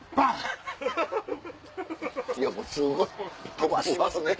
もうすごい飛ばしますね。